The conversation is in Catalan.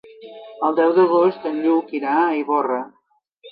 El deu d'agost en Lluc irà a Ivorra.